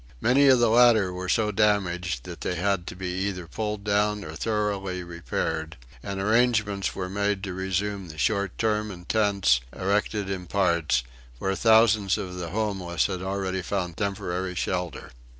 Many of the latter were so damaged that they had to be either pulled down or thoroughly repaired, and arrangements were made to resume the short term in tents erected in the parks, where thousands of the homeless had already found temporary shelter.